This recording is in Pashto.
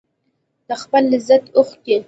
د خپل لذت اوښکې